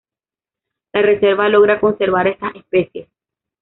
La reserva logra conservar estas especies.